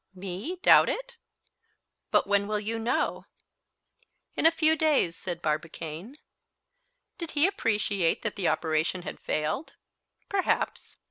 "Me doubt it?" "But when will you know?" "In a few days," said Barbicane. Did he appreciate that the operation had failed? Perhaps.